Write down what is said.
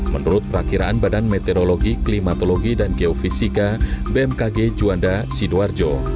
menurut perakiraan badan meteorologi klimatologi dan geofisika bmkg juanda sidoarjo